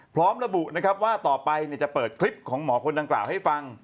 พร้อมระบุนะครับว่าต่อไปจะเปิดคลิปของหมอคนดังกล่าวให้ฟัง